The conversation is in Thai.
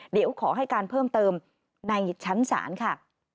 เดี๋ยวขอให้การเพิ่มเติมในชั้นศาลค่ะ